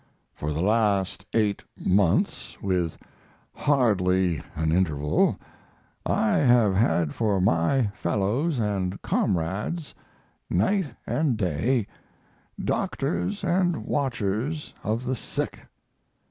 For the last eight months, with hardly an interval, I have had for my fellows and comrades, night and day, doctors and watchers of the sick!